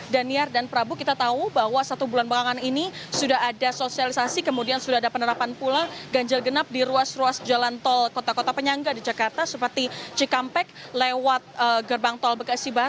dan niar dan prabu kita tahu bahwa satu bulan bangunan ini sudah ada sosialisasi kemudian sudah ada penerapan pula ganjil genap di ruas ruas jalan tol kota kota penyangga di jakarta seperti cikampek lewat gerbang tol bekasi